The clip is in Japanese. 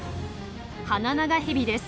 ハナナガヘビです。